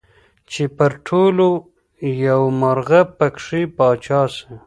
چي پر ټولو یو مرغه پکښي پاچا سي